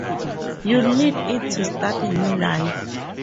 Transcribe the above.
You'll need it to start a new life.